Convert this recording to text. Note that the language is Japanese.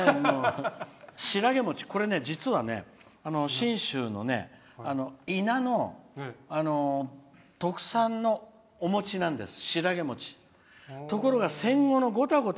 これね、実は信州の伊那の特産のお餅なんですよ。